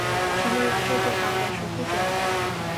成为了这座岛的守护者。